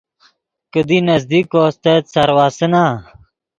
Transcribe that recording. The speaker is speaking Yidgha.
کیدی نزدیک کو استت سارو آسے نا۔